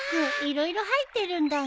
色々入ってるんだね。